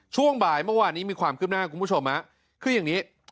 ช่วงบ่ายเมื่อวานนี้มีความคืบหน้าคุณผู้ชมฮะคืออย่างนี้